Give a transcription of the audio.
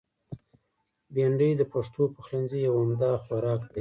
بېنډۍ د پښتو پخلنځي یو عمده خوراک دی